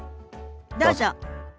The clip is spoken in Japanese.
どうぞ。